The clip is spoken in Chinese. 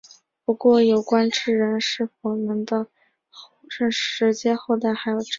不过有关智人是否能人的直接后代还有争议。